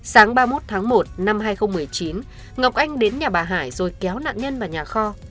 sáng ba mươi một tháng một năm hai nghìn một mươi chín ngọc anh đến nhà bà hải rồi kéo nạn nhân vào nhà kho